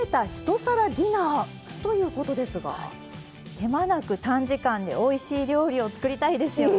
手間なく短時間でおいしい料理を作りたいですよね？